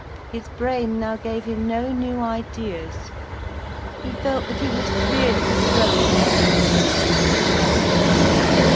His brain now gave him no new ideas. He felt that he was really growing like a cat in his mind.